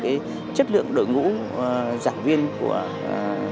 nâng cao chất lượng đội ngũ giảng viên của nhà trường